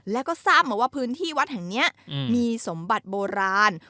แล้วก็ทราบมาว่าพื้นที่วัดแห่งนี้มีสมบัติโบราณ